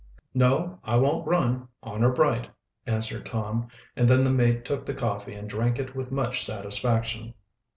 "No, I won't run, honor bright," answered Tom, and then the mate took the coffee and drank it with much satisfaction.